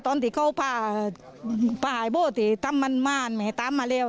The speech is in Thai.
ตอนที่เขาพาหายบูธมันม่านไม่ตามมาแล้ว